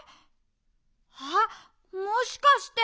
あっもしかして！